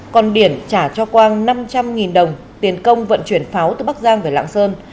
còn biển trả cho quang năm trăm linh đồng tiền công vận chuyển pháo từ bắc giang về lạng sơn